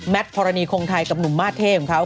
แม็คกับหนุ้มมากทลวตทร์แท่ของเขา